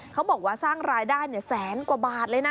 เขาบอกว่าสร้างรายได้แสนกว่าบาทเลยนะ